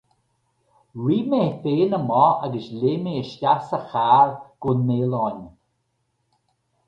Rith mé féin amach agus léim mé isteach sa charr go n-éalóinn!